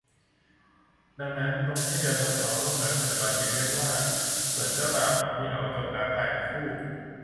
ดังนั้น ตรงที่เรือสำเภาล่มนั้นปัจจุบันจึงเรียกว่า ส่วนเจ้าบ่าวสองพี่น้องจมน้ำตายทั้งคู่